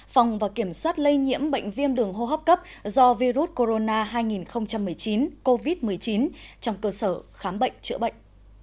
phòng và kiểm soát lây nhiễm bệnh viêm đường hô hấp cấp do virus corona hai nghìn một mươi chín covid một mươi chín trong cơ sở khám bệnh chữa bệnh